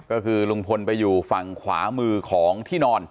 ก็คือลุงพลไปอยู่ฝั่งขวามือของที่นอน